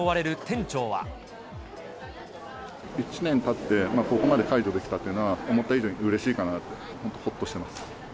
１年たって、ここまで解除できたというのは、思った以上にうれしいかなと、ほっとしてます。